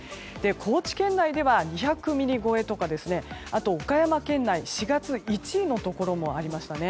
高知県内では２００ミリ超えとかあと岡山県内４月１位のところもありました。